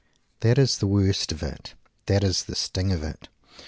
That is the worst of it. That is the sting of it.